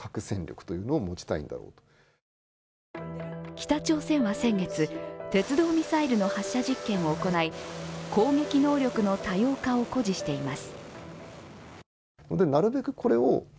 北朝鮮は先月鉄道ミサイルの発射実験を行い攻撃能力の多様化を誇示しています。